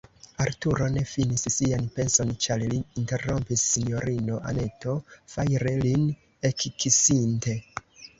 Arturo ne finis sian penson, ĉar lin interrompis sinjorino Anneto, fajre lin ekkisinte.